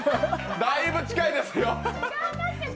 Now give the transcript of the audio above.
だいぶ近いですよ。